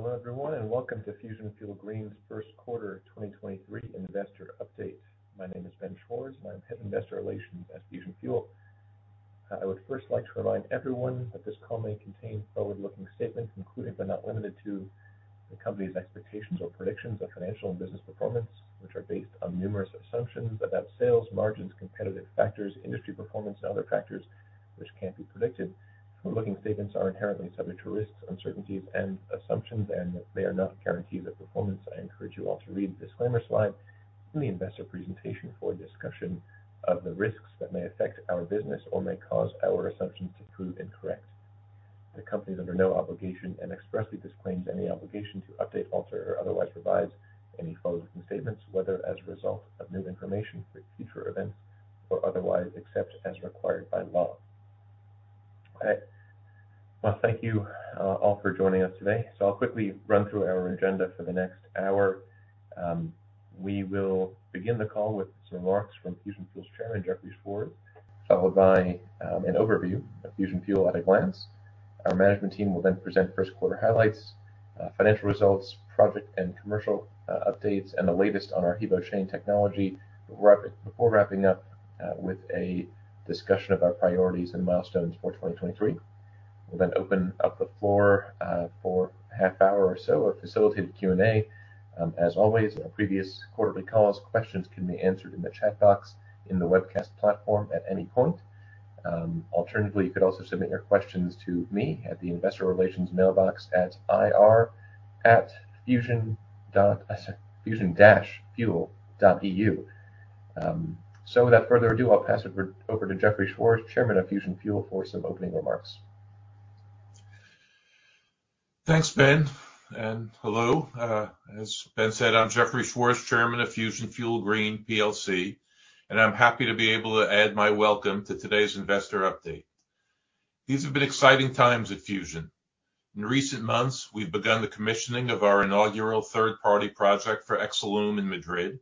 Hello, everyone, welcome to Fusion Fuel Green's 1st quarter 2023 investor update. My name is Ben Schwarz, and I'm Head of Investor Relations at Fusion Fuel. I would first like to remind everyone that this call may contain forward-looking statements, including, but not limited to, the company's expectations or predictions of financial and business performance, which are based on numerous assumptions about sales, margins, competitive factors, industry performance, and other factors which can't be predicted. Forward-looking statements are inherently subject to risks, uncertainties, and assumptions. They are not guarantees of performance. I encourage you all to read the disclaimer slide in the investor presentation for a discussion of the risks that may affect our business or may cause our assumptions to prove incorrect. The company is under no obligation and expressly disclaims any obligation to update, alter, or otherwise revise any forward-looking statements, whether as a result of new information, future events, or otherwise, except as required by law. I want to thank you all for joining us today. I'll quickly run through our agenda for the next hour. We will begin the call with some remarks from Fusion Fuel's Chairman, Jeffrey Schwarz, followed by an overview of Fusion Fuel at a glance. Our management team will then present first quarter highlights, financial results, project and commercial updates, and the latest on our HEVO Chain technology before wrapping up with a discussion of our priorities and milestones for 2023. We'll then open up the floor for half hour or so of facilitated Q&A. as always, our previous quarterly calls, questions can be answered in the chat box in the webcast platform at any point. Alternatively, you could also submit your questions to me at the Investor Relations mailbox at ir@fusion-fuel.eu. Without further ado, I'll pass it over to Jeffrey Schwarz, Chairman of Fusion Fuel, for some opening remarks. Thanks, Ben. Hello. As Ben said, I'm Jeffrey Schwarz, Chairman of Fusion Fuel Green plc. I'm happy to be able to add my welcome to today's investor update. These have been exciting times at Fusion. In recent months, we've begun the commissioning of our inaugural third-party project for Exolum in Madrid,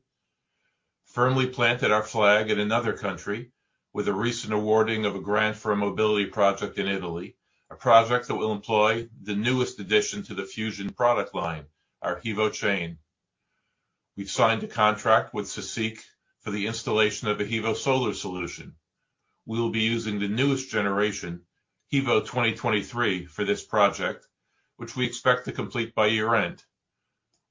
firmly planted our flag in another country with a recent awarding of a grant for a mobility project in Italy, a project that will employ the newest addition to the Fusion product line, our HEVO-Chain. We've signed a contract with CSIC for the installation of a HEVO-Solar solution. We will be using the newest generation, HEVO 2023, for this project, which we expect to complete by year-end.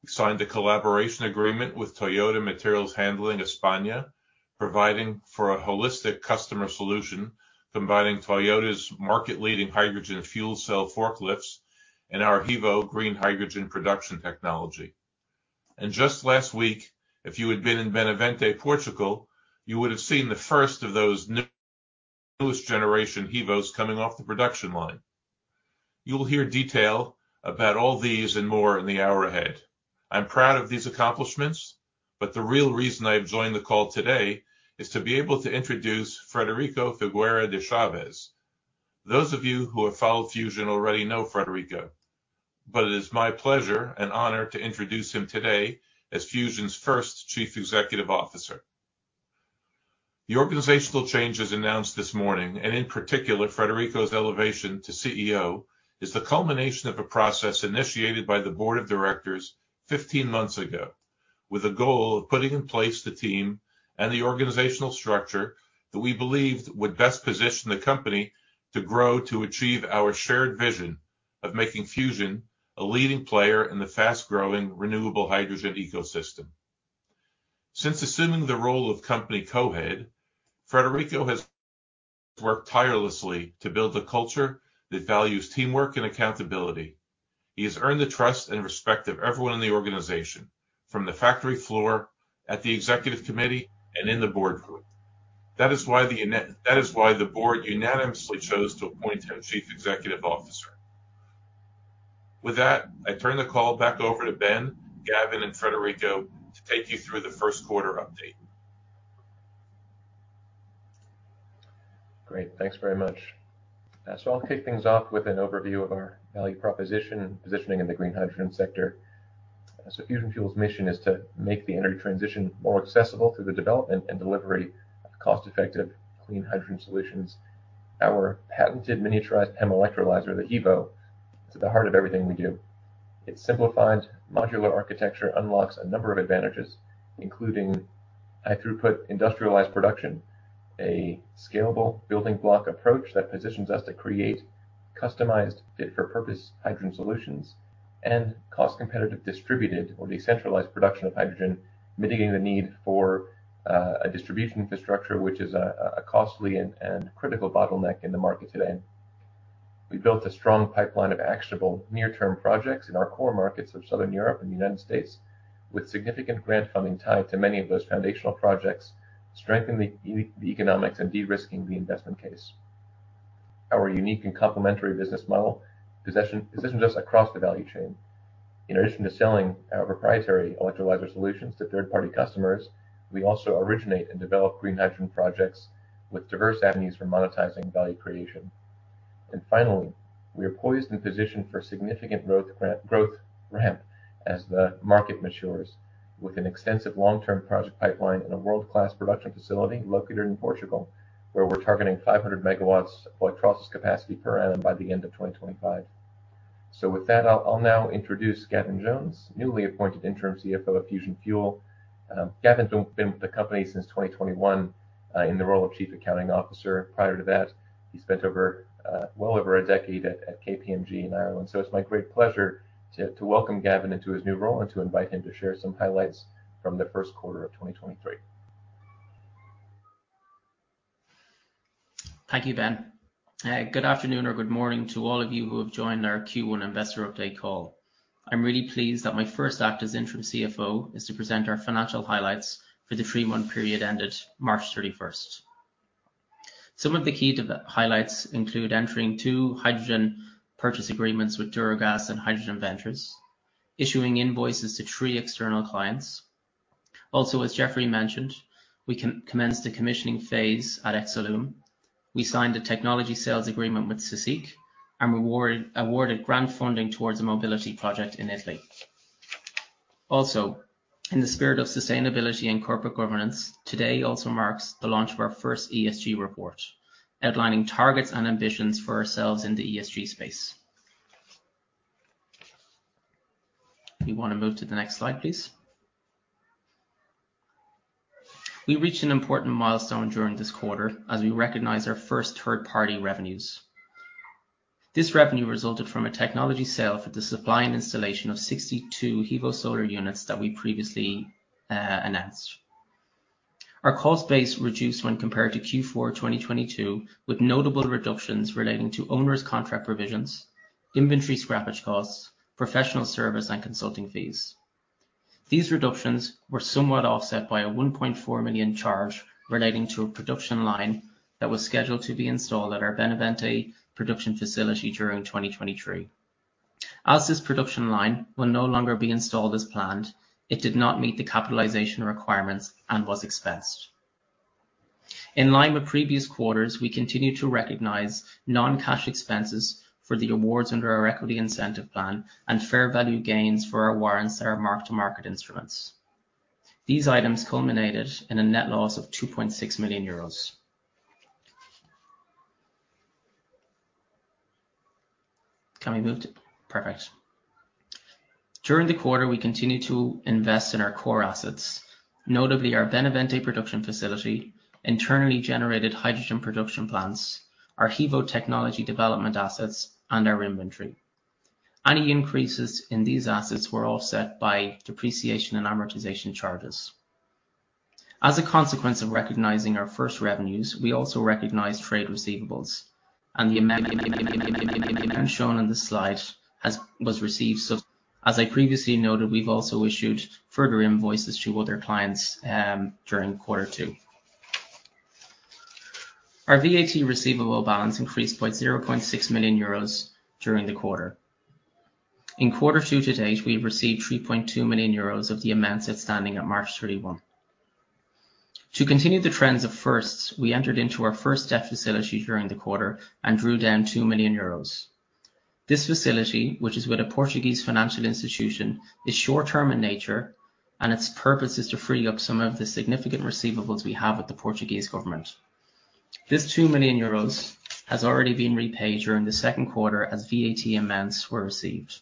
We signed a collaboration agreement with Toyota Material Handling España, providing for a holistic customer solution, combining Toyota's market-leading hydrogen fuel cell forklifts and our HEVO green hydrogen production technology. Just last week, if you had been in Benavente, Portugal, you would have seen the first of those new newest generation Hyvos coming off the production line. You will hear detail about all these and more in the hour ahead. I'm proud of these accomplishments. The real reason I've joined the call today is to be able to introduce Frederico Figueira de Chaves. Those of you who have followed Fusion Fuel already know Frederico, It is my pleasure and honor to introduce him today as Fusion Fuel's first Chief Executive Officer. The organizational changes announced this morning, and in particular, Frederico's elevation to CEO, is the culmination of a process initiated by the board of directors 15 months ago, with a goal of putting in place the team and the organizational structure that we believed would best position the company to grow to achieve our shared vision of making Fusion Fuel a leading player in the fast-growing, renewable hydrogen ecosystem. Since assuming the role of company co-head, Frederico has worked tirelessly to build a culture that values teamwork and accountability. He has earned the trust and respect of everyone in the organization, from the factory floor, at the executive committee, and in the board room. That is why the board unanimously chose to appoint him Chief Executive Officer. With that, I turn the call back over to Ben, Gavin, and Frederico to take you through the first quarter update. Great. Thanks very much. I'll kick things off with an overview of our value proposition and positioning in the green hydrogen sector. Fusion Fuel's mission is to make the energy transition more accessible through the development and delivery of cost-effective, clean hydrogen solutions. Our patented miniaturized PEM electrolyzer, the HEVO, is at the heart of everything we do. Its simplified modular architecture unlocks a number of advantages, including high throughput, industrialized production, a scalable building block approach that positions us to create customized fit-for-purpose hydrogen solutions, and cost-competitive, distributed, or decentralized production of hydrogen, mitigating the need for a distribution infrastructure, which is a costly and critical bottleneck in the market today. We built a strong pipeline of actionable near-term projects in our core markets of Southern Europe and the United States, with significant grant funding tied to many of those foundational projects, strengthening the economics and de-risking the investment case. Our unique and complementary business model positions us across the value chain. In addition to selling our proprietary electrolyzer solutions to third-party customers, we also originate and develop green hydrogen projects with diverse avenues for monetizing value creation. Finally, we are poised and positioned for significant growth ramp-... as the market matures, with an extensive long-term project pipeline and a world-class production facility located in Portugal, where we're targeting 500 MW electrolysis capacity per annum by the end of 2025. With that, I'll now introduce Gavin Jones, newly appointed interim CFO of Fusion Fuel. Gavin's been with the company since 2021, in the role of Chief Accounting Officer. Prior to that, he spent over well over a decade at KPMG in Ireland. It's my great pleasure to welcome Gavin into his new role and to invite him to share some highlights from the first quarter of 2023. Thank you, Ben. Good afternoon or good morning to all of you who have joined our Q1 investor update call. I'm really pleased that my first act as interim CFO is to present our financial highlights for the 3-month period ended March 31st. Some of the key to the highlights include entering hydrogen purchase agreements with Duragaz and Hydrogen Ventures, issuing invoices to three external clients. Also, as Jeffrey mentioned, we commenced the commissioning phase at Exolum. We signed a technology sales agreement with CSIC, and awarded grant funding towards a mobility project in Italy. Also, in the spirit of sustainability and corporate governance, today also marks the launch of our first ESG report, outlining targets and ambitions for ourselves in the ESG space. We want to move to the next slide, please. We reached an important milestone during this quarter as we recognized our first third-party revenues. This revenue resulted from a technology sale for the supply and installation of 62 HEVO-Solar units that we previously announced. Our cost base reduced when compared to Q4 2022, with notable reductions relating to owner's contract provisions, inventory scrappage costs, professional service, and consulting fees. These reductions were somewhat offset by a $1.4 million charge relating to a production line that was scheduled to be installed at our Benavente production facility during 2023. As this production line will no longer be installed as planned, it did not meet the capitalization requirements and was expensed. In line with previous quarters, we continued to recognize non-cash expenses for the awards under our equity incentive plan and fair value gains for our warrants that are mark-to-market instruments. These items culminated in a net loss of 2.6 million euros. Can we move to... Perfect. During the quarter, we continued to invest in our core assets, notably our Benavente production facility, internally generated hydrogen production plants, our Hevo technology development assets, and our inventory. Any increases in these assets were offset by depreciation and amortization charges. As a consequence of recognizing our first revenues, we also recognized trade receivables, and the amount shown on this slide was received. As I previously noted, we've also issued further invoices to other clients during quarter two. Our VAT receivable balance increased by 0.6 million euros during the quarter. In quarter two to date, we've received 3.2 million euros of the amounts outstanding at March 31st. To continue the trends of firsts, we entered into our first debt facility during the quarter and drew down 2 million euros. This facility, which is with a Portuguese financial institution, is short-term in nature, and its purpose is to free up some of the significant receivables we have with the Portuguese government. This 2 million euros has already been repaid during the second quarter as VAT amounts were received.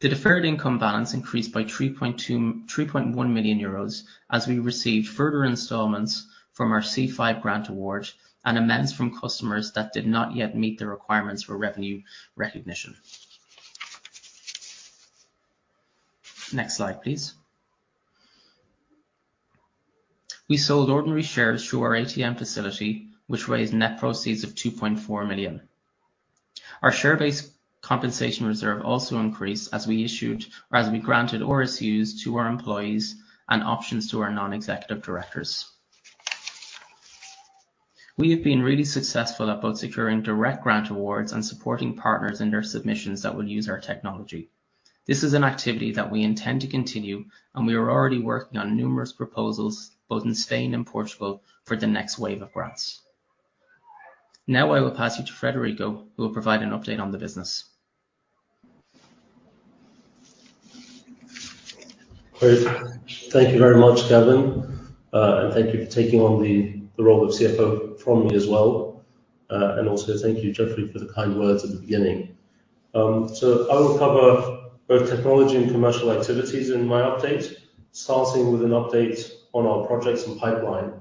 The deferred income balance increased by 3.1 million euros as we received further installments from our CFI grant award and amends from customers that did not yet meet the requirements for revenue recognition. Next slide, please. We sold ordinary shares through our ATM facility, which raised net proceeds of 2.4 million. Our share-based compensation reserve also increased as we granted RSUs to our employees and options to our non-executive directors. We have been really successful at both securing direct grant awards and supporting partners in their submissions that will use our technology. This is an activity that we intend to continue, and we are already working on numerous proposals, both in Spain and Portugal, for the next wave of grants. Now, I will pass you to Federico, who will provide an update on the business. Great. Thank you very much, Gavin, and thank you for taking on the role of CFO from me as well. Also thank you, Jeffrey, for the kind words at the beginning. I will cover both technology and commercial activities in my update, starting with an update on our projects and pipeline.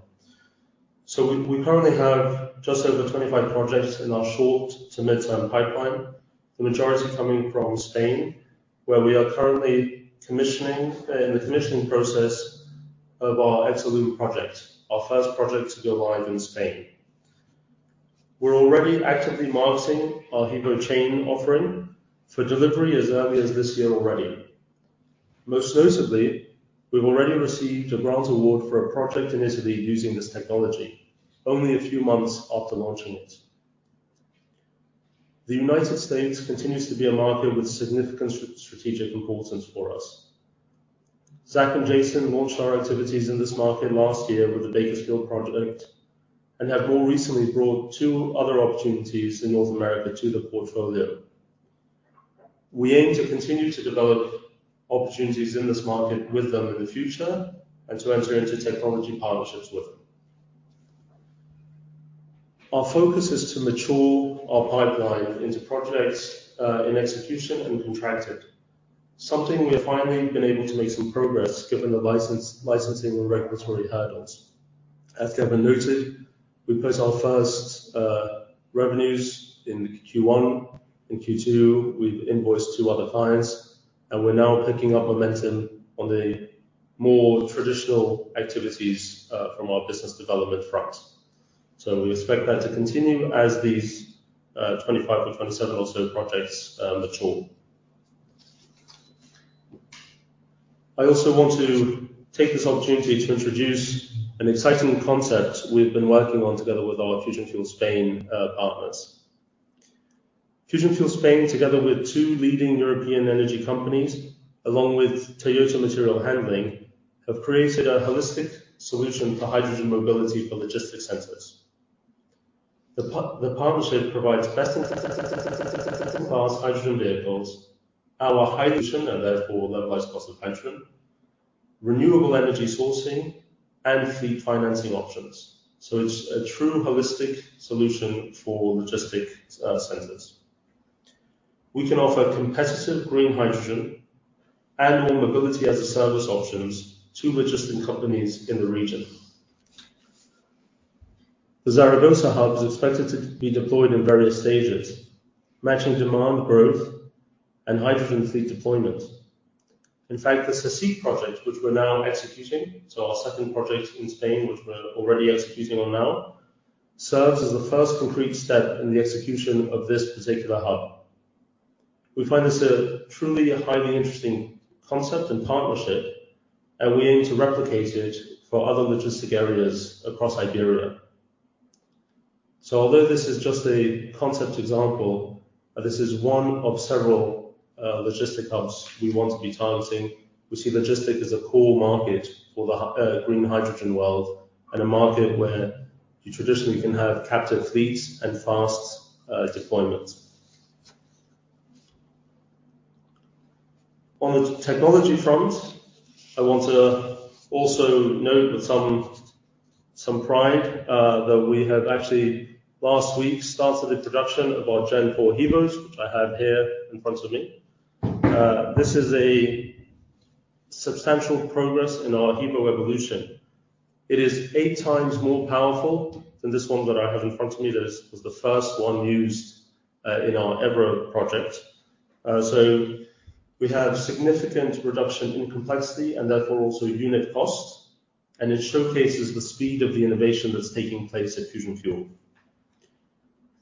We currently have just over 25 projects in our short to mid-term pipeline, the majority coming from Spain, where we are currently commissioning in the commissioning process of our Exolum project, our first project to go live in Spain. We're already actively marketing our HEVO-Chain offering for delivery as early as this year already. Most notably, we've already received a grant award for a project in Italy using this technology only a few months after launching it. The United States continues to be a market with significant strategic importance for us. Zach and Jason launched our activities in this market last year with the Bakersfield project, and have more recently brought two other opportunities in North America to the portfolio. We aim to continue to develop opportunities in this market with them in the future, and to enter into technology partnerships with them. Our focus is to mature our pipeline into projects in execution and contracted, something we have finally been able to make some progress, given the licensing and regulatory hurdles. As Gavin noted, we post our first revenues in Q1. In Q2, we've invoiced two other clients, and we're now picking up momentum on the more traditional activities from our business development front. We expect that to continue as these 25-27 or so projects mature. I also want to take this opportunity to introduce an exciting concept we've been working on together with our Fusion Fuel Spain partners. Fusion Fuel Spain, together with two leading European energy companies, along with Toyota Material Handling, have created a holistic solution for hydrogen mobility for logistic centers. The partnership provides best-in-class hydrogen vehicles, our hydrogen, and therefore levelized cost of hydrogen, renewable energy sourcing, and fleet financing options. It's a true holistic solution for logistic centers. We can offer competitive green hydrogen and/or mobility-as-a-service options to logistic companies in the region. The Zaragoza hub is expected to be deployed in various stages, matching demand growth and hydrogen fleet deployment. In fact, the SESH2 project, which we're now executing, our second project in Spain, which we're already executing on now, serves as the first concrete step in the execution of this particular hub. We find this a truly a highly interesting concept and partnership, we aim to replicate it for other logistic areas across Iberia. Although this is just a concept example, this is one of several, logistic hubs we want to be targeting. We see logistic as a core market for the green hydrogen world, and a market where you traditionally can have captive fleets and fast, deployment. On the technology front, I want to also note with some pride, that we have actually last week started the production of our Gen four Hyvos, which I have here in front of me. This is a substantial progress in our HEVO evolution. It is eight times more powerful than this one that I have in front of me. That was the first one used in our Évora project. We have significant reduction in complexity, and therefore also unit cost, and it showcases the speed of the innovation that's taking place at Fusion Fuel.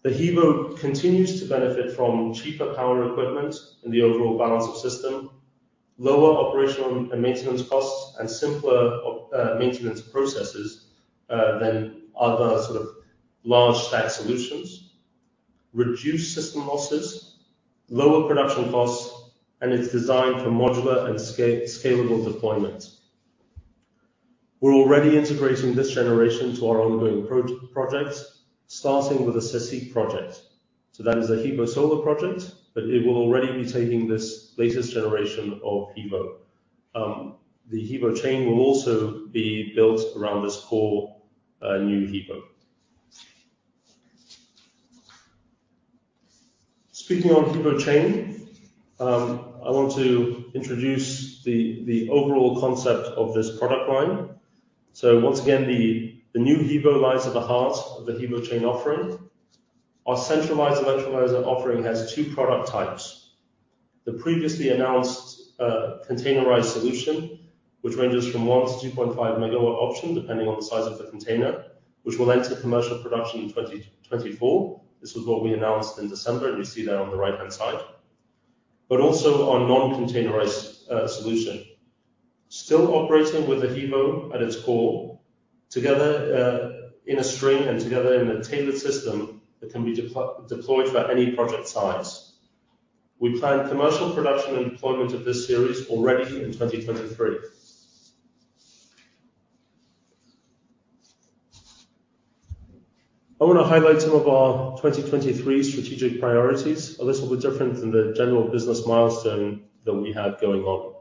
The HEVO continues to benefit from cheaper power equipment in the overall balance of system, lower operational and maintenance costs, and simpler maintenance processes than other sort of large stack solutions. Reduced system losses, lower production costs, it's designed for modular and scalable deployment. We're already integrating this generation to our ongoing projects, starting with the SESIIG project. That is a HEVO Solar project, but it will already be taking this latest generation of HEVO. The HEVO Chain will also be built around this core new HEVO. Speaking on HEVO Chain, I want to introduce the overall concept of this product line. Once again, the new HEVO lies at the heart of the HEVO-Chain offering. Our centralized electrolyzer offering has two product types: the previously announced containerized solution, which ranges from 1-2.5 megawatt option, depending on the size of the container, which will enter commercial production in 2024. This is what we announced in December, and you see that on the right-hand side, but also our non-containerized solution. Still operating with a HEVO at its core, together in a string and together in a tailored system that can be deployed for any project size. We plan commercial production and deployment of this series already in 2023. I want to highlight some of our 2023 strategic priorities. A little bit different than the general business milestone that we had going on.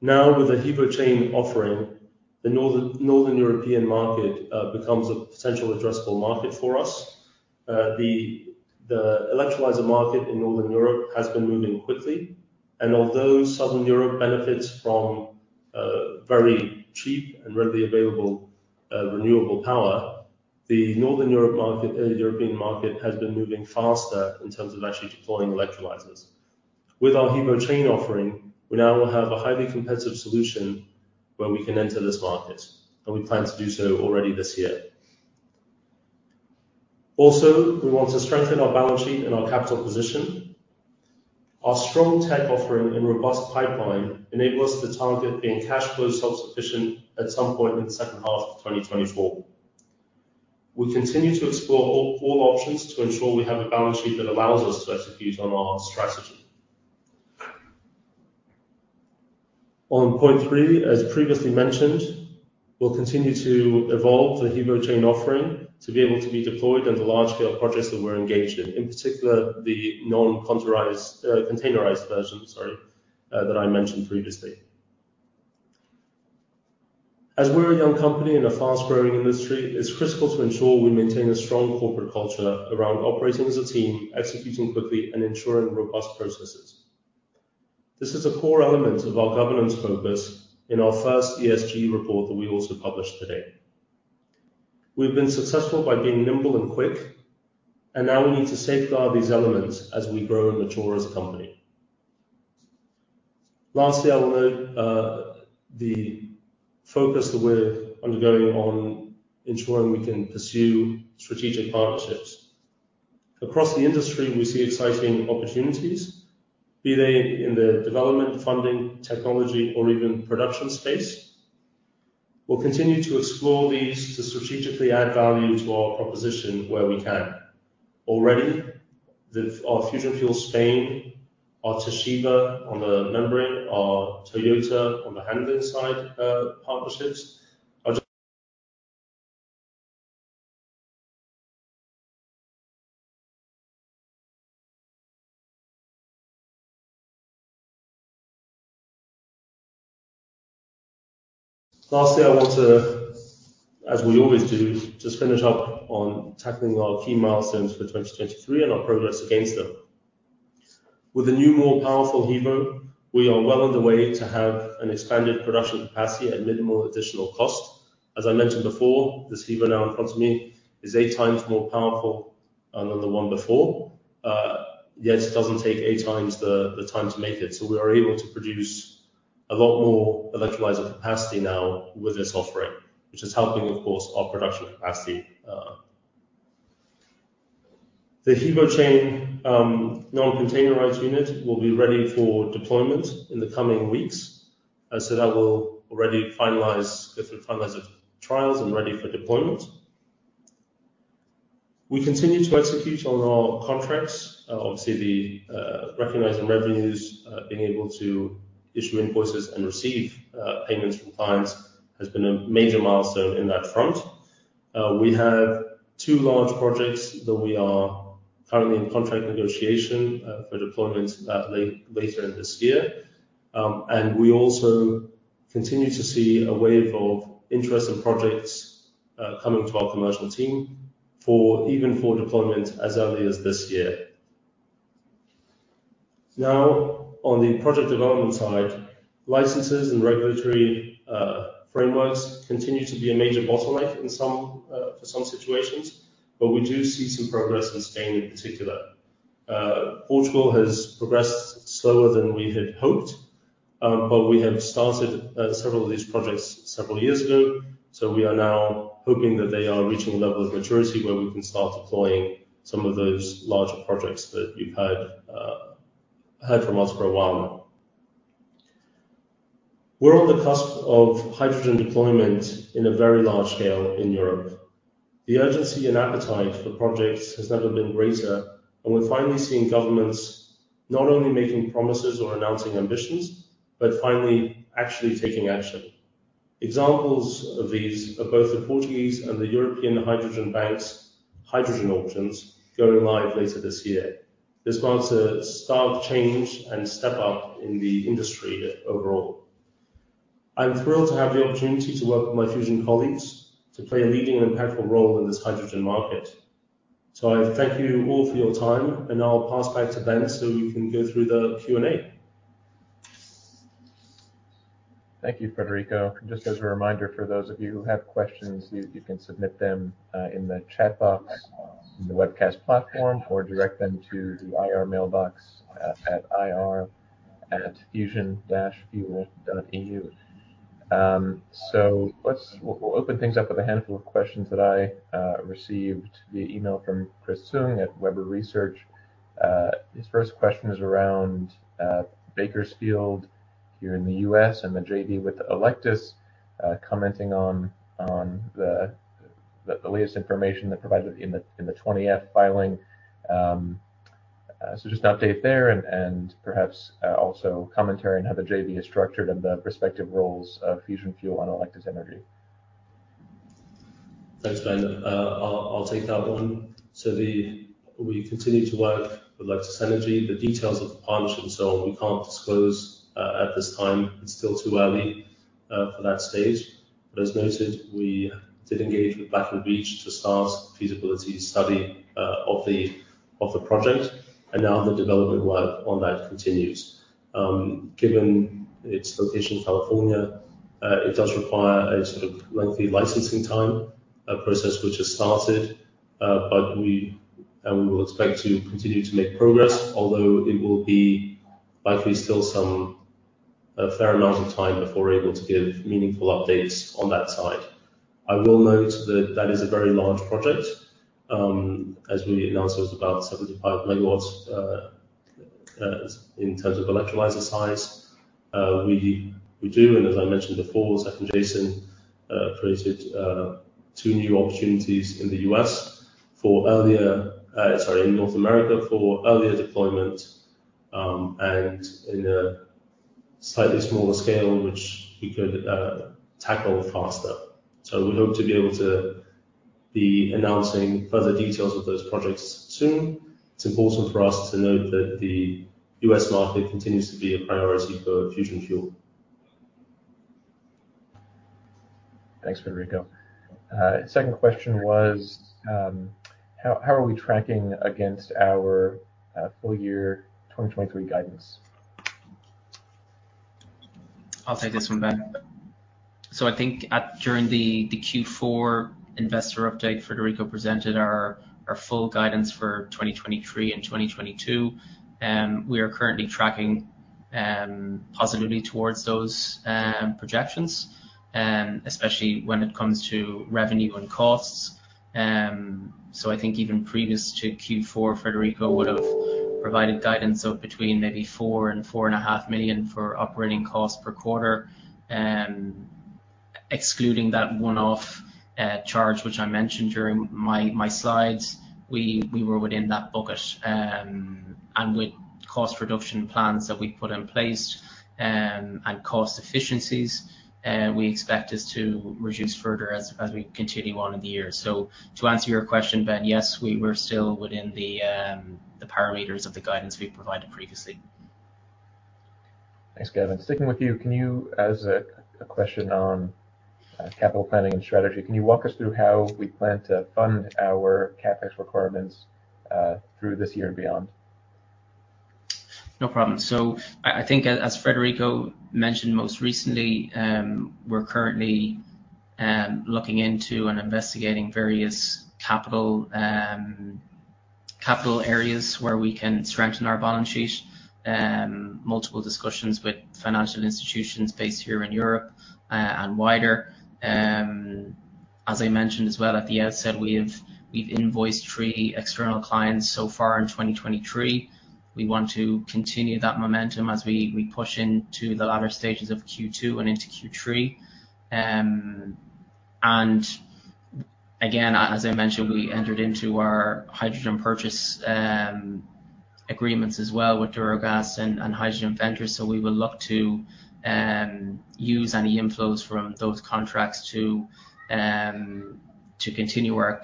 Now with the HEVO Chain offering, the Northern European market becomes a potential addressable market for us. The electrolyzer market in Northern Europe has been moving quickly, and although Southern Europe benefits from very cheap and readily available renewable power, the Northern European market has been moving faster in terms of actually deploying electrolyzers. With our HEVO Chain offering, we now will have a highly competitive solution where we can enter this market, and we plan to do so already this year. We want to strengthen our balance sheet and our capital position. Our strong tech offering and robust pipeline enable us to target being cash flow self-sufficient at some point in the second half of 2024. We continue to explore all options to ensure we have a balance sheet that allows us to execute on our strategy. On point three, as previously mentioned, we'll continue to evolve the HEVO-Chain offering to be able to be deployed on the large-scale projects that we're engaged in. In particular, the non-containerized, containerized version, sorry, that I mentioned previously. As we're a young company in a fast-growing industry, it's critical to ensure we maintain a strong corporate culture around operating as a team, executing quickly, and ensuring robust processes. This is a core element of our governance focus in our first ESG report that we also published today. We've been successful by being nimble and quick, and now we need to safeguard these elements as we grow and mature as a company. Lastly, I will note the focus that we're undergoing on ensuring we can pursue strategic partnerships. Across the industry, we see exciting opportunities, be they in the development, funding, technology, or even production space. We'll continue to explore these to strategically add value to our proposition where we can. Already, our Fusion Fuel Spain, our Toshiba, our Toyota on the handling side, partnerships. Lastly, I want to, as we always do, just finish up on tackling our key milestones for 2023 and our progress against them. With the new, more powerful HEVO, we are well on the way to have an expanded production capacity at minimal additional cost. As I mentioned before, this HEVO now in front of me is eight times more powerful than the one before. yet it doesn't take eight times the time to make it. We are able to produce a lot more electrolyzer capacity now with this offering, which is helping, of course, our production capacity. The HEVO-Chain non-containerized unit will be ready for deployment in the coming weeks, as that will already go through finalizing trials and ready for deployment. We continue to execute on our contracts. Obviously, the recognizing revenues, being able to issue invoices and receive payments from clients has been a major milestone in that front. We have two large projects that we are currently in contract negotiation for deployment later this year. We also continue to see a wave of interest and projects coming to our commercial team for deployment as early as this year. Now, on the project development side, licenses and regulatory frameworks continue to be a major bottleneck in some for some situations, but we do see some progress in Spain in particular. Portugal has progressed slower than we had hoped, but we have started several of these projects several years ago, so we are now hoping that they are reaching a level of maturity where we can start deploying some of those larger projects that you've heard from us for a while now. We're on the cusp of hydrogen deployment in a very large scale in Europe. The urgency and appetite for projects has never been greater. We're finally seeing governments not only making promises or announcing ambitions, but finally actually taking action. Examples of these are both the Portuguese and the European Hydrogen Banks, hydrogen auctions going live later this year. This marks a starved change and step up in the industry overall. I'm thrilled to have the opportunity to work with my Fusion colleagues to play a leading and impactful role in this hydrogen market. I thank you all for your time, and I'll pass back to Ben, so you can go through the Q&A. Thank you, Federico. Just as a reminder, for those of you who have questions, you can submit them in the chat box, in the webcast platform, or direct them to the IR mailbox at ir@fusion-fuel.eu. We'll open things up with a handful of questions that I received via email from Chris Souther at Weber Research. His first question is around Bakersfield here in the U.S. and the JV with Electus, commenting on the latest information that provided in the 20-F filing. Just an update there and perhaps also commentary on how the JV is structured and the respective roles of Fusion Fuel on Electus Energy. Thanks, Ben. I'll take that one. We continue to work with Electus Energy. The details of the partnership and so on, we can't disclose at this time. It's still too early for that stage. As noted, we did engage with Black & Veatch to start a feasibility study of the project, and now the development work on that continues. Given its location in California, it does require a sort of lengthy licensing time process, which has started, but we, and we will expect to continue to make progress, although it will be likely still some, a fair amount of time before we're able to give meaningful updates on that side. I will note that that is a very large project, as we announced, it was about 75 MW. In terms of electrolyzer size, we do, and as I mentioned before, Zach and Jason created two new opportunities in North America for earlier deployment, and in a slightly smaller scale, which we could tackle faster. We hope to be able to be announcing further details of those projects soon. It's important for us to note that the U.S. market continues to be a priority for Fusion Fuel. Thanks, Federico. second question was, how are we tracking against our full year 2023 guidance? I'll take this one, Ben. I think at, during the Q4 investor update, Federico presented our full guidance for 2023 and 2022, we are currently tracking positively towards those projections, especially when it comes to revenue and costs. I think even previous to Q4, Federico would have provided guidance of between maybe 4 million-4.5 million for operating costs per quarter. Excluding that one-off charge, which I mentioned during my slides, we were within that bucket. With cost reduction plans that we put in place, and cost efficiencies, we expect this to reduce further as we continue on in the year. To answer your question, Ben, yes, we were still within the parameters of the guidance we provided previously. Thanks, Gavin. Sticking with you, as a question on capital planning and strategy, can you walk us through how we plan to fund our CapEx requirements through this year and beyond? No problem. I think as Frederico mentioned most recently, we're currently looking into and investigating various capital areas where we can strengthen our balance sheet. Multiple discussions with financial institutions based here in Europe and wider. As I mentioned as well at the outset, we've invoiced three external clients so far in 2023. We want to continue that momentum as we push into the latter stages of Q2 and into Q3. Again, as I mentioned, we entered into our hydrogen purchase agreements as well with Duragaz and Hydrogen Ventures. We will look to use any inflows from those contracts to continue our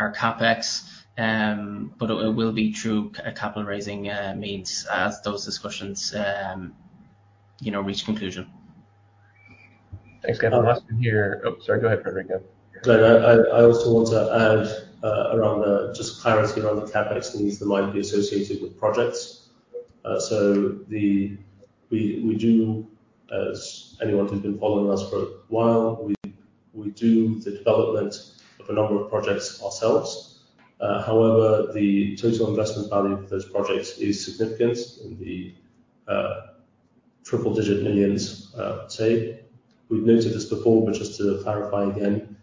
CapEx, but it will be through a capital raising means as those discussions, you know, reach conclusion. Thanks, Gavin. Last one here. Oh, sorry, go ahead, Frederico. Go ahead. I also want to add, around the just clarity around the CapEx needs that might be associated with projects. We do, as anyone who's been following us for a while, we do the development of a number of projects ourselves. However, the total investment value of those projects is significant, in the triple digit millions, say. We've noted this before, but just to clarify again,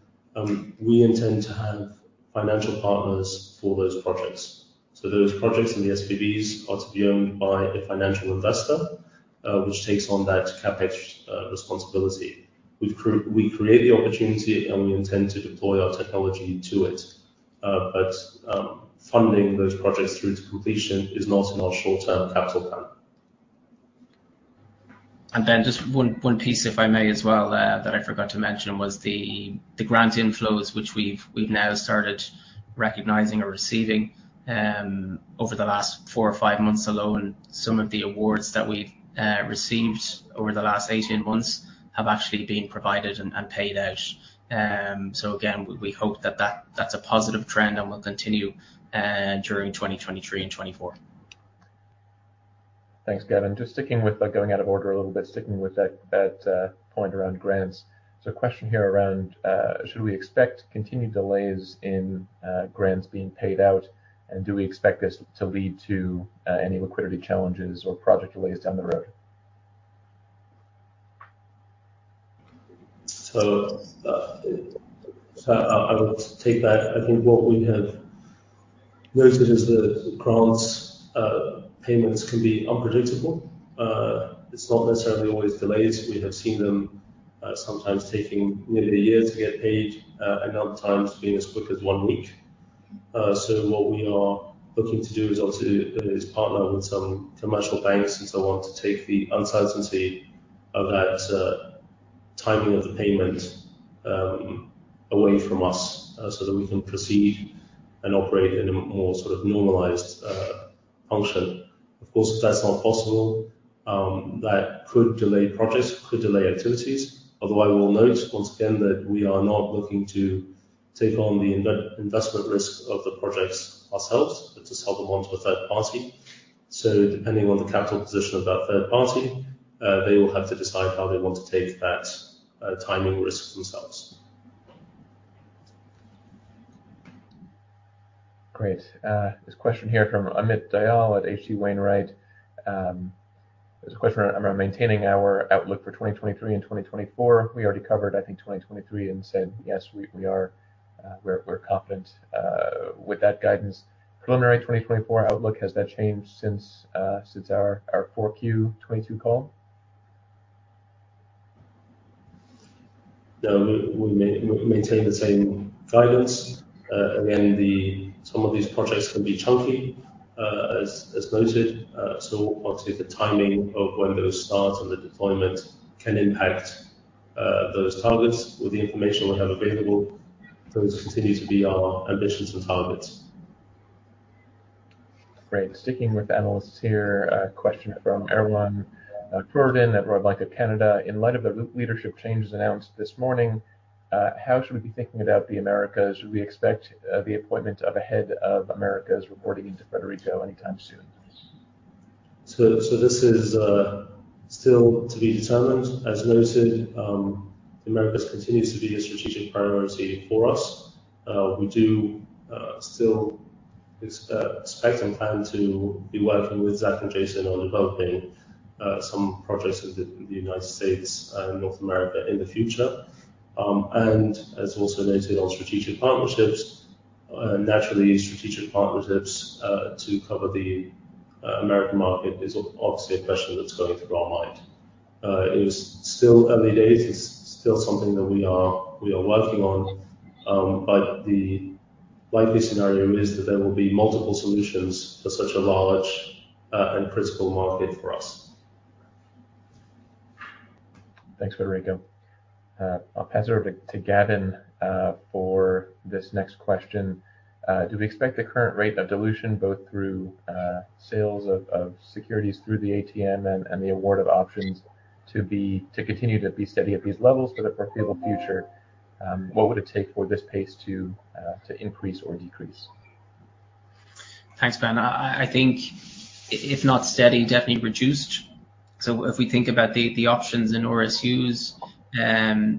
we intend to have financial partners for those projects. Those projects and the SPVs are to be owned by a financial investor, which takes on that CapEx responsibility. We create the opportunity, and we intend to deploy our technology to it. Funding those projects through to completion is not in our short-term capital plan. Just one piece, if I may, as well, that I forgot to mention, was the grant inflows, which we've now started recognizing or receiving, over the last four or five months alone. Some of the awards that we've received over the last 18 months have actually been provided and paid out. Again, we hope that's a positive trend and will continue during 2023 and 2024. Thanks, Gavin. Just sticking with, going out of order a little bit, sticking with that point around grants. A question here around, should we expect continued delays in grants being paid out, and do we expect this to lead to any liquidity challenges or project delays down the road? I would take that. I think what we have noted is that grants, payments can be unpredictable. It's not necessarily always delays. We have seen them, sometimes taking nearly a year to get paid, and other times being as quick as one week. What we are looking to do is obviously, partner with some commercial banks and so on, to take the uncertainty of that timing of the payment away from us, so that we can proceed and operate in a more sort of normalized function. Of course, if that's not possible, that could delay projects, could delay activities. We'll note once again that we are not looking to take on the investment risk of the projects ourselves, but to sell them on to a third party. Depending on the capital position of that third party, they will have to decide how they want to take that, timing risk themselves. Great. This question here from Amit Dayal at H.C. Wainwright & Co. There's a question around maintaining our outlook for 2023 and 2024. We already covered, I think, 2023, and said, yes, we are, we're confident with that guidance. Preliminary 2024 outlook, has that changed since our 4Q 2022 call? No, we maintain the same guidance. Again, some of these projects can be chunky, as noted. Obviously, the timing of when those start and the deployment can impact those targets. With the information we have available, those continue to be our ambitions and targets. Great. Sticking with analysts here, a question from Erwan Kerouredan at Royal Bank of Canada. In light of the leadership changes announced this morning, how should we be thinking about the Americas? Should we expect the appointment of a head of Americas reporting into Federico anytime soon? This is still to be determined. As noted, the Americas continues to be a strategic priority for us. We do still expect and plan to be working with Zach and Jason on developing some projects in the United States and North America in the future. As also noted on strategic partnerships, naturally, strategic partnerships to cover the American market is obviously a question that's going through our mind. It is still early days. It's still something that we are working on, but the likely scenario is that there will be multiple solutions for such a large and principal market for us. Thanks, Federico. I'll pass it over to Gavin for this next question. Do we expect the current rate of dilution, both through sales of securities through the ATM and the award of options to continue to be steady at these levels for the foreseeable future? What would it take for this pace to increase or decrease? Thanks, Ben. I think if not steady, definitely reduced. If we think about the options in RSUs,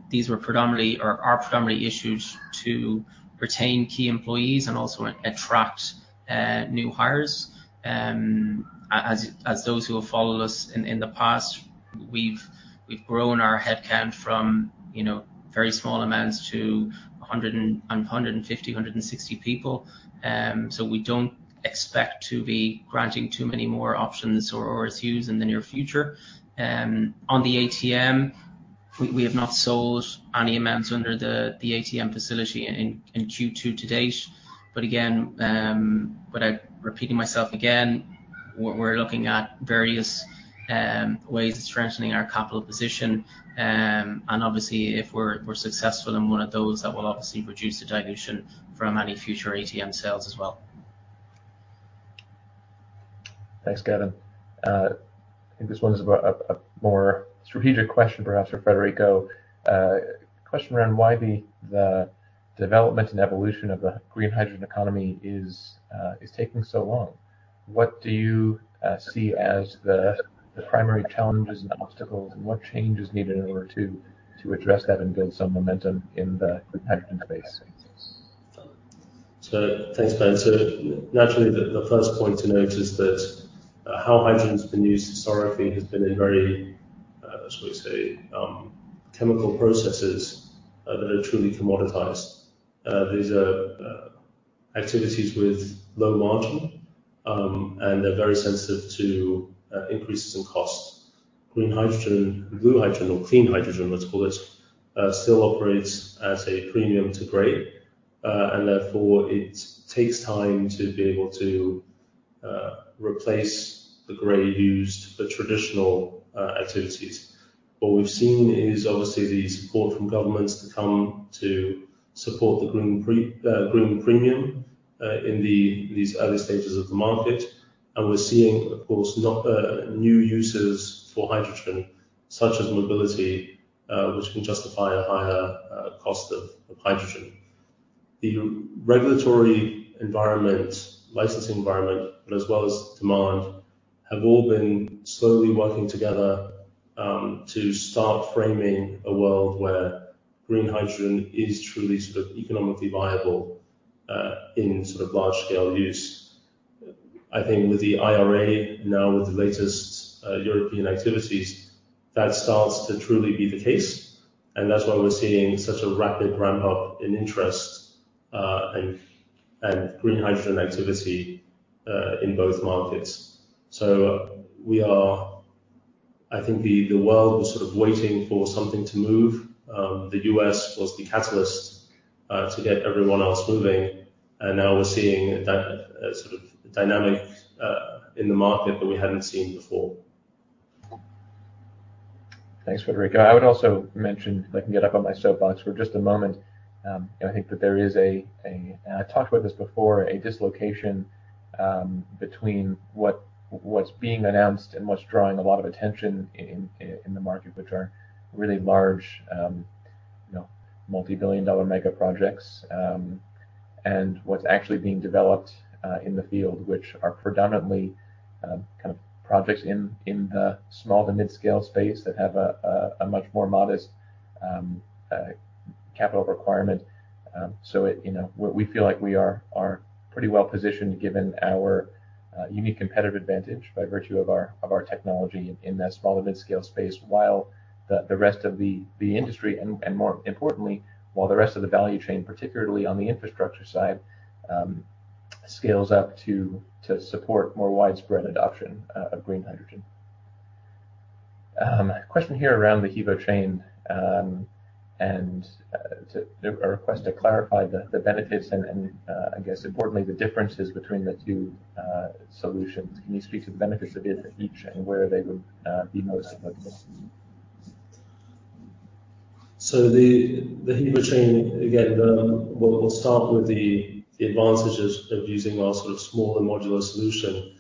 these were predominantly or are predominantly issued to retain key employees and also attract new hires. As those who have followed us in the past, we've grown our headcount from, you know, very small amounts to 100 and 150, 160 people. We don't expect to be granting too many more options or RSUs in the near future. On the ATM, we have not sold any amounts under the ATM facility in Q2 to date. Again, without repeating myself again, we're looking at various ways of strengthening our capital position. Obviously, if we're successful in one of those, that will obviously reduce the dilution from any future ATM sales as well. Thanks, Gavin. I think this one is about a more strategic question, perhaps for Frederico. Question around why the development and evolution of the green hydrogen economy is taking so long. What do you see as the primary challenges and obstacles, and what change is needed in order to address that and build some momentum in the green hydrogen space? Thanks, Ben. Naturally, the first point to note is that how hydrogen has been used historically has been in very, how should I say, chemical processes that are truly commoditized. These are activities with low margin, and they're very sensitive to increases in cost. Green hydrogen, blue hydrogen, or clean hydrogen, let's call it, still operates at a premium to gray, and therefore, it takes time to be able to replace the gray used for traditional activities. What we've seen is, obviously, the support from governments to come to support the green premium in these early stages of the market. We're seeing, of course, new uses for hydrogen, such as mobility, which can justify a higher cost of hydrogen. The regulatory environment, licensing environment, but as well as demand, have all been slowly working together, to start framing a world where green hydrogen is truly sort of economically viable, in sort of large scale use. I think with the IRA, now with the latest European activities, that starts to truly be the case, and that's why we're seeing such a rapid ramp up in interest, and green hydrogen activity, in both markets. I think the world was sort of waiting for something to move. The U.S. was the catalyst to get everyone else moving, and now we're seeing a sort of dynamic in the market that we hadn't seen before. Thanks, Federico. I would also mention, if I can get up on my soapbox for just a moment, and I think that there is a and I talked about this before, a dislocation between what's being announced and what's drawing a lot of attention in the market, which are really large, you know, multi-billion dollar mega projects, and what's actually being developed in the field, which are predominantly kind of projects in the small to mid-scale space that have a much more modest capital requirement. It, you know, we feel like we are pretty well positioned given our unique competitive advantage by virtue of our technology in that small to mid-scale space, while the rest of the industry, and more importantly, while the rest of the value chain, particularly on the infrastructure side, scales up to support more widespread adoption of green hydrogen. Question here around the HEVO-Chain, and a request to clarify the benefits and I guess importantly, the differences between the two solutions. Can you speak to the benefits of each and where they would be most applicable? The HEVO-Chain, again, we'll start with the advantages of using our sort of smaller modular solution.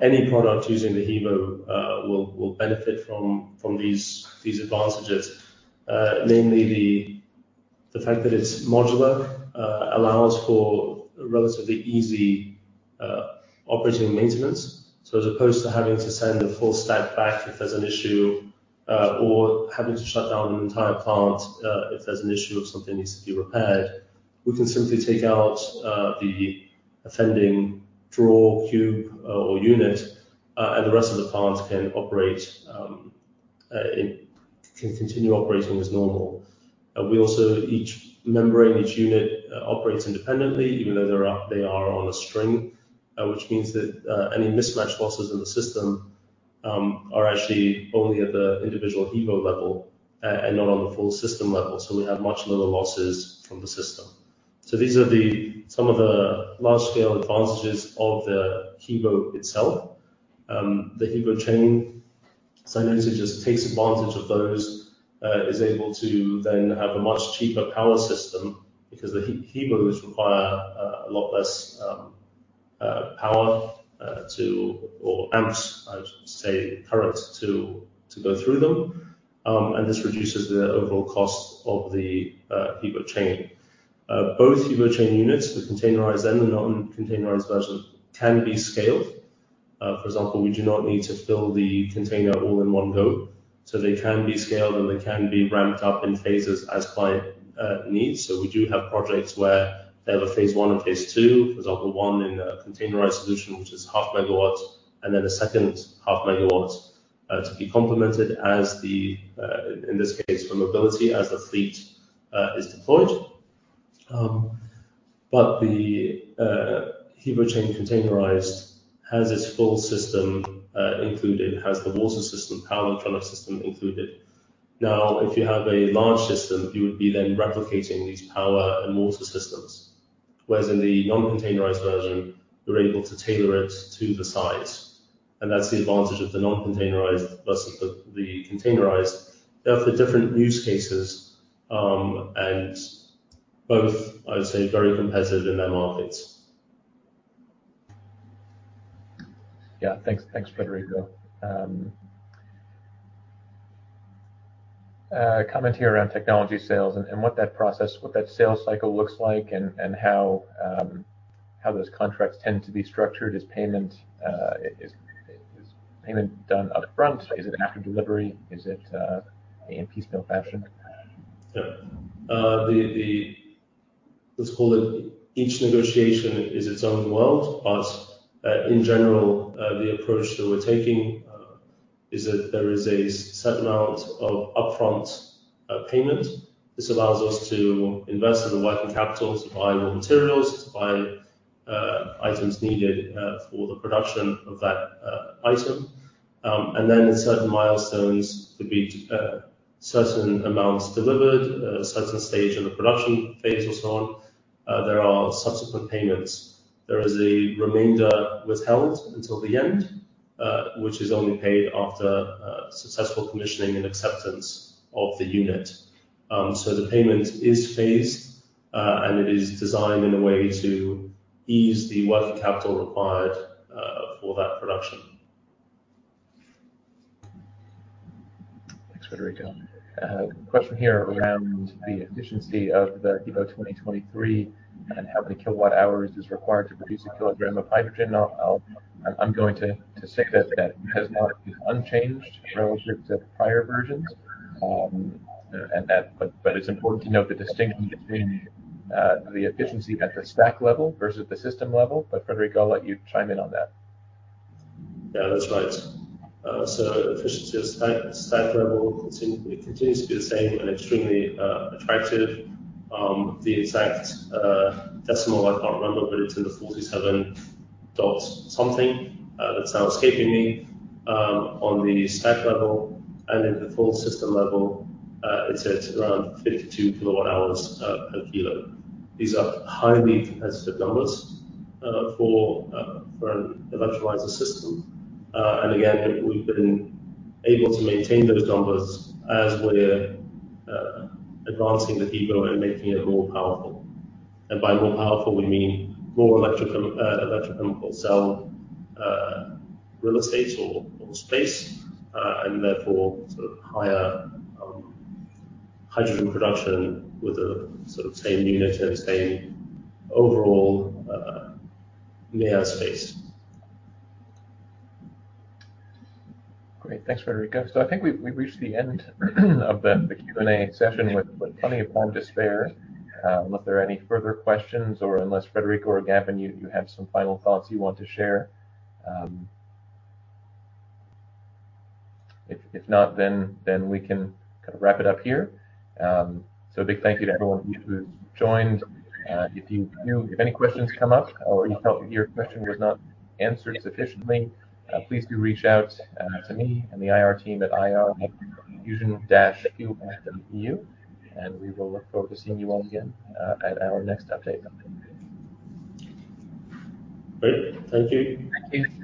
Any product using the HEVO will benefit from these advantages. Namely, the fact that it's modular allows for relatively easy operating maintenance. As opposed to having to send the full stack back if there's an issue or having to shut down an entire plant if there's an issue or something needs to be repaired, we can simply take out the offending draw, cube, or unit, and the rest of the plant can operate, it can continue operating as normal. We also each membrane, each unit operates independently, even though they are on a string, which means that any mismatched losses in the system are actually only at the individual HEVO level and not on the full system level, so we have much lower losses from the system. These are the some of the large-scale advantages of the HEVO itself. The HEVO-Chain, similarly, just takes advantage of those, is able to then have a much cheaper power system because the HEVOs require a lot less power or amps, I would say, current to go through them. This reduces the overall cost of the HEVO-Chain. Both HEVO-Chain units, the containerized and the non-containerized version, can be scaled. For example, we do not need to fill the container all in one go, they can be scaled, and they can be ramped up in phases as client needs. We do have projects where they have a phase one and phase two. For example, one in a containerized solution, which is 0.5 megawatts, and then a second 0.5 megawatts to be complemented as the, in this case, for mobility, as the fleet is deployed. The HEVO-Chain containerized has its full system included, has the water system, power electronic system included. If you have a large system, you would be then replicating these power and water systems, whereas in the non-containerized version, you're able to tailor it to the size, and that's the advantage of the non-containerized versus the containerized. They're for different use cases, and both, I would say, very competitive in their markets. Yeah. Thanks. Thanks, Federico. A comment here around technology sales and what that process, what that sales cycle looks like, and how those contracts tend to be structured. Is payment done upfront? Is it after delivery? Is it, in piecemeal fashion? Yeah. The let's call it each negotiation is its own world, but in general, the approach that we're taking is that there is a certain amount of upfront payment. This allows us to invest in the working capital to buy raw materials, to buy items needed for the production of that item. Then at certain milestones, there'll be certain amounts delivered, at a certain stage in the production phase or so on, there are subsequent payments. There is a remainder withheld until the end, which is only paid after successful commissioning and acceptance of the unit. The payment is phased, and it is designed in a way to ease the working capital required for that production. Thanks, Frederico. question here around the efficiency of the HEVO 2023, and how many kilowatt-hours is required to produce a kilogram of hydrogen. I'll say that that has not been unchanged relative to prior versions, and that... but it's important to note the distinction between the efficiency at the stack level versus the system level, but Frederico, I'll let you chime in on that. Yeah, that's right. Efficiency at stack level continues to be the same and extremely attractive. The exact decimal I can't remember, but it's in the 47.something that's now escaping me on the stack level, and then the full system level, it's at around 52 KW hours per kilo. These are highly competitive numbers for an electrolyzer system. Again, we've been able to maintain those numbers as we're advancing the HEVO and making it more powerful. By more powerful, we mean more electrical, electrochemical cell real estate or space, and therefore, sort of higher hydrogen production with a sort of same unit and same overall near space. Great. Thanks, Federico. I think we've reached the end of the Q&A session with plenty of time to spare. Unless there are any further questions, or unless Federico or Gavin, you have some final thoughts you want to share. If not, then we can kind of wrap it up here. A big thank you to everyone who's joined. If any questions come up or you felt your question was not answered sufficiently, please do reach out to me and the IR team at ir@fusion-u.eu, and we will look forward to seeing you all again at our next update. Great. Thank you. Thank you.